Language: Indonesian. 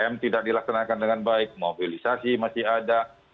tiga m tidak dilaksanakan dengan baik mobilisasi masih ada